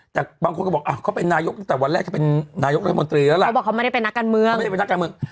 แต่บางคนก็บอกอ่ะเขาเป็นนายกตั้งแต่วันแรกเขาเป็นนายกรัฐมนตรีแล้วล่ะเขาบอกเขาไม่ได้เป็นนักการเมือง